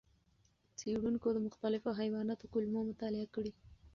څېړونکو د مختلفو حیواناتو کولمو مطالعې کړې.